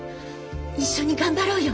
一緒に頑張ろうよ。